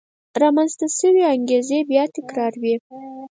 رامنځته شوې انګېزې بیا تکرار وې.